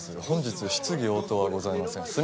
本日質疑応答はございません。